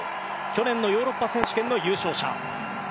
去年のヨーロッパ選手権の優勝者。